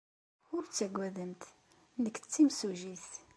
Ur ttaggademt. Nekk d timsujjit.